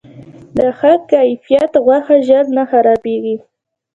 د ښه کیفیت غوښه ژر نه خرابیږي.